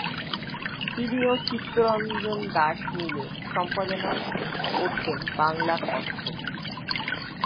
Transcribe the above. তিনি ও চিত্তরঞ্জন দাশ মিলে সম্পাদনা করতেন বাঙলার কথা পত্রিকা।